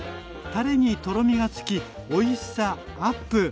タレにとろみがつきおいしさアップ。